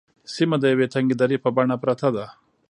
سیمه د یوې تنگې درې په بڼه پرته ده.